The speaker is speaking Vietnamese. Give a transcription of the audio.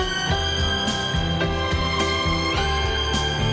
hẹn gặp lại